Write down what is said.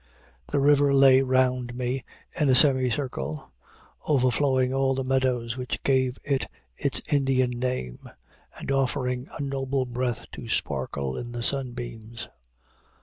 The river lay round me in a semi circle, overflowing all the meadows which give it its Indian name, and offering a noble breadth to sparkle in the sunbeams.